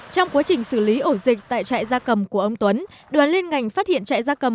trong quá trình xử lý ổ dịch tại trại da cầm của ông tuấn đoàn liên ngành phát hiện trại da cầm